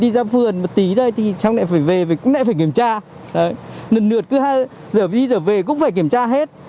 giờ đi giờ về cũng phải kiểm tra hết